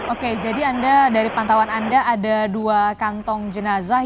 oke jadi anda dari pantauan anda ada dua kantong jenazah